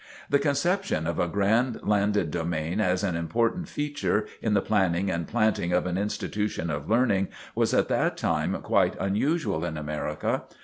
The conception of a grand landed domain as an important feature in the planning and planting of an institution of learning, was at that time quite unusual in America.